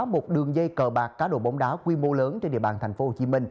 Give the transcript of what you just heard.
một đường dây cờ bạc cá đồ bóng đá quy mô lớn trên địa bàn tp hcm